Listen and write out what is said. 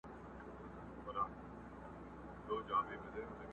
حیوانان یې وه بارونو ته بللي.!